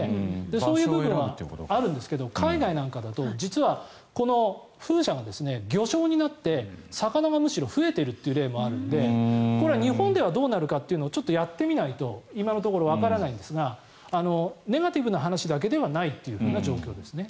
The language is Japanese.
そういうところはあるんですが海外とかだと実は、この風車が漁礁になって魚がむしろ増えているという例もあるのでこれは日本ではどうなるかというのはちょっとやってみないと今のところわからないんですがネガティブな話だけではないという状況ですね。